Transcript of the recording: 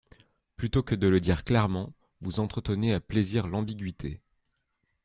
Plutôt que de le dire clairement, vous entretenez à plaisir l’ambiguïté.